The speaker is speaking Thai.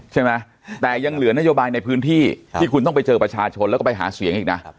ใช่ไหมแต่ยังเหลือนโยบายในพื้นที่ที่คุณต้องไปเจอประชาชนแล้วก็ไปหาเสียงอีกนะ